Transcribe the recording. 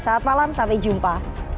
saat malam sampai jumpa